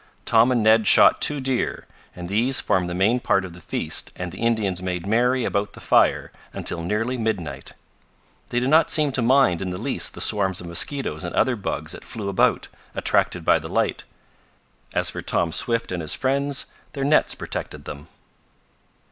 Tom and Ned shot two deer, and these formed the main part of the feast and the Indians made merry about the fire until nearly midnight. They did not seem to mind in the least the swarms of mosquitoes and other bugs that flew about, attracted by the light. As for Tom Swift and his friends, their nets protected them.